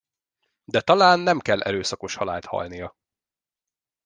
De talán nem kell erőszakos halált halnia.